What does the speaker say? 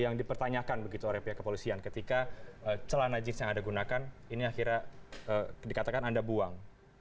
yang dipertanyakan begitu oleh pihak kepolisian ketika celana jeans yang anda gunakan ini akhirnya dikatakan anda buang